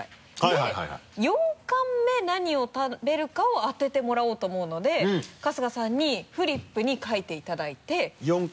何を食べるかを当ててもらおうと思うので春日さんにフリップに書いていただいて。